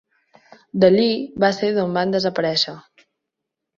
D'allí va ser d'on van desaparèixer.